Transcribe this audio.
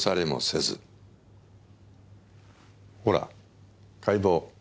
ほら解剖。